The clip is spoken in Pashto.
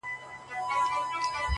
سر او بر یې ګوره مه بس ټولوه یې ,